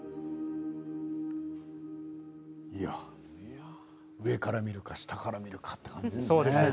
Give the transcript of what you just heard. いや、上から見るか下から見るかっていう感じですね。